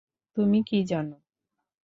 তুমি কি জান?